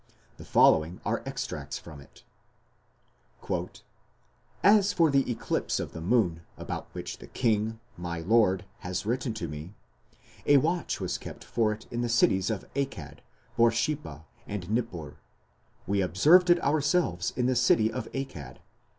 The following are extracts from it: "As for the eclipse of the moon about which the king my lord has written to me, a watch was kept for it in the cities of Akkad, Borsippa, and Nippur. We observed it ourselves in the city of Akkad....